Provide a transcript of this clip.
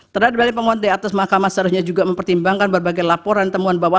terhadap balik pemohon di atas mahkamah seharusnya juga mempertimbangkan berbagai laporan temuan bahwa